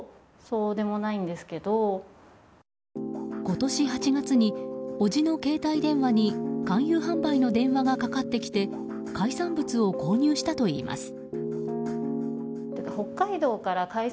今年８月に、おじの携帯電話に勧誘販売の電話がかかってきて海産物を購入したといいます。